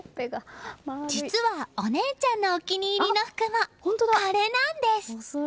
実はお姉ちゃんのお気に入りの服もこれなんです！